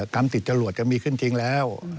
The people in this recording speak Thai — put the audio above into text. กรรมติดจรวดจะมีขึ้นจริงแล้ว